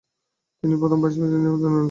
তিনি প্রথম ভাইস প্রেসিডেন্টের পদে মনোনীত হন।